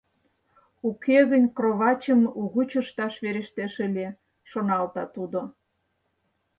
Уке гын кровачым угыч ышташ верештеш ыле», — шоналта тудо.